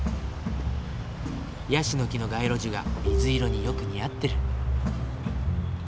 ヤシの木の街路樹が水色によく似合ってる。